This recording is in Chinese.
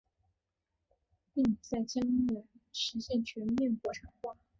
并在将来实现全面国产化。